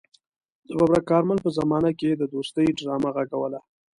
د ببرک کارمل په زمانه کې يې د دوستۍ ډرامه غږوله.